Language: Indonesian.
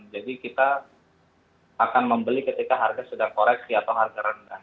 jadi kita akan membeli ketika harga sedang koreksi atau harga rendah